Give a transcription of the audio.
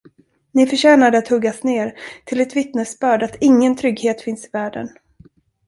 Ni förtjänade att huggas ner, till ett vittnesbörd att ingen trygghet finns i världen.